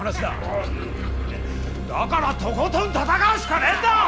だからとことん戦うしかねえんだ！